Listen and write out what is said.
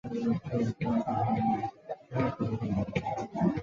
尼基弗鲁斯在年轻时就入伍参军。